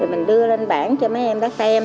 mình đưa lên bảng cho mấy em xem